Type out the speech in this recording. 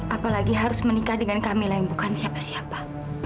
apalagi harus menikah dengan kamilah yang bukan siapa siapa